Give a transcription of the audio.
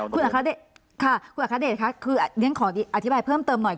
คุณอาคารเดชน์ขออธิบายเพิ่มเติมหน่อย